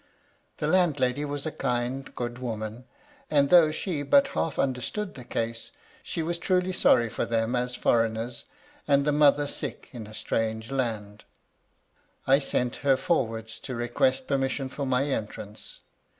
The landlady was a kind, good woman, and though she but half under stood the case, she was truly sorry for them, as foreigners, and the mother sick in a strange land. " I sent her forwards to request permission for my entrance.